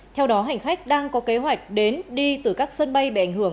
theo đó hành khách đang có kế hoạch đến đi từ các sân bay bị ảnh hưởng